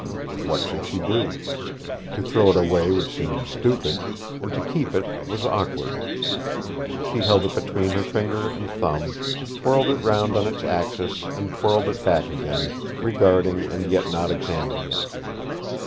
What should she do? To throw it away would seem stupid, and to keep it was awkward. She held it between her finger and thumb, twirled it round on its axis and twirled it back again, regarding and yet not examining it.